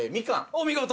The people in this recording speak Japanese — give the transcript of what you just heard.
お見事！